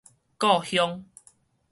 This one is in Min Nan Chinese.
故鄉